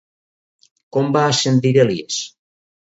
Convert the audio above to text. Com va ascendir Elies?